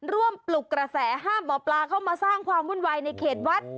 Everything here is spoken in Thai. ปลุกกระแสห้ามหมอปลาเข้ามาสร้างความวุ่นวายในเขตวัด